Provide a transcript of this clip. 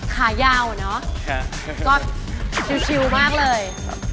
ขายาวอะเนาะก็ชิวมากเลย